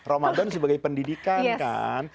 ramadan sebagai pendidikan kan